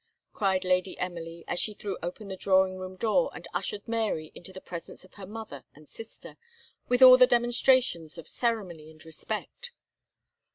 cried Lady Emily, as she threw open the drawing room door, and ushered Mary into the presence of her mother and sister, with all the demonstrations of ceremony and respect.